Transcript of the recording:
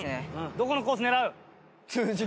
どこのコース狙う？